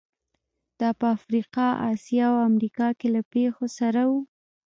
دا په افریقا، اسیا او امریکا کې له پېښو سره وو.